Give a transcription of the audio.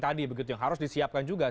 tadi begitu yang harus disiapkan juga